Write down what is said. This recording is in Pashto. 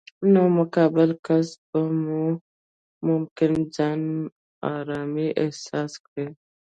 نو مقابل کس مو ممکن ځان نا ارامه احساس کړي.